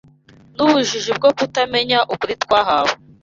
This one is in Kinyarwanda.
n’ubujiji bwo kutamenya ukuri twahawe